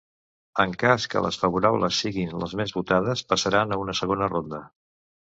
En cas que les favorables siguin les més votades, passaran a una segona ronda.